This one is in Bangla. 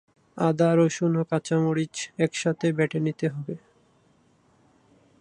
আদা, রসুন ও কাঁচা মরিচ একসাথে বেটে নিতে হবে।